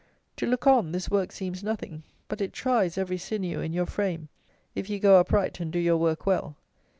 To look on, this work seems nothing; but it tries every sinew in your frame, if you go upright and do your work well.